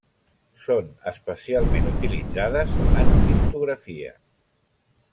Són especialment utilitzades en criptografia.